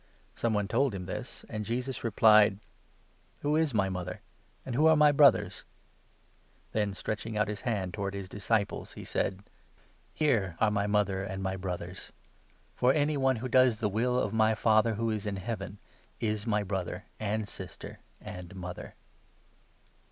Some one told him this, and Jesus replied : 47, " Who is my mother ? and who are my brothers ?" Then, stretching out his hand towards his disciples, he said : 49 40 Jon. i. 17. 42 i Kings 10. a— 4, MATTHEW, 12 13. 65 " Here are my mother and my brothers ! For any one who 50 does the will of my Father who is in Heaven is my brother and sister and mother."